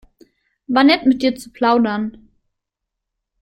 War nett, mit dir zu plaudern.